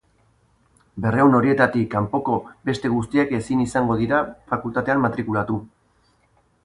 Berrehun horietatik kanpoko beste guztiak ezin izango dira fakultatean matrikulatu.